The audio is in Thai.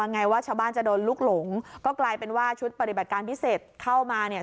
ไงว่าชาวบ้านจะโดนลูกหลงก็กลายเป็นว่าชุดปฏิบัติการพิเศษเข้ามาเนี่ย